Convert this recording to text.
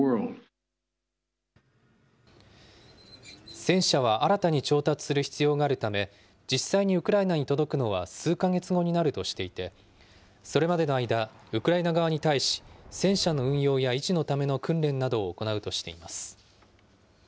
戦車は新たに調達する必要があるため、実際にウクライナに届くのは数か月後になるとしていて、それまでの間、ウクライナ側に対し、戦車の運用や維持のための訓練などを行うとしています。